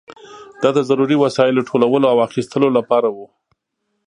دا د ضروري وسایلو ټولولو او اخیستلو لپاره وه.